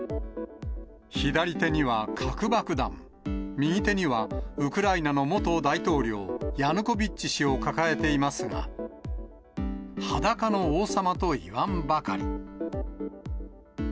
左手には核爆弾、右手にはウクライナの元大統領、ヤヌコビッチ氏を抱えていますが、はだかの王様といわんばかり。